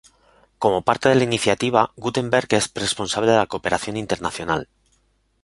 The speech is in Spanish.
Como parte de la iniciativa, Guttenberg es responsable de la cooperación internacional.